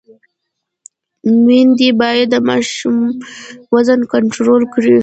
میندې باید د ماشوم وزن کنټرول کړي۔